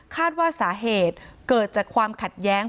คาดว่าสาเหตุเกิดจากความขัดแย้ง